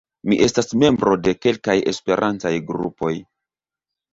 Mi estas membro de kelkaj Esperantaj grupoj.